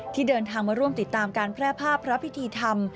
ที่เดินทางมาร่วมติดตามการแพร่ภาพพระพิธีธรรม